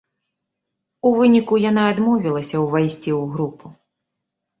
У выніку яна адмовілася ўвайсці ў групу.